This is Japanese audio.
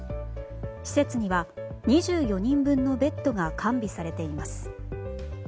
施設には、２４人分のベッドが完備されています。